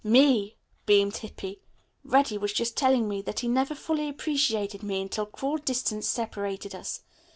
"Me," beamed Hippy. "Reddy was just telling me that he never fully appreciated me until cruel distance separated us.